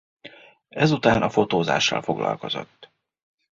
Ezután a fotózással foglalkozott.